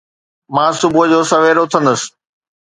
مان صبح جو سوير اٿندس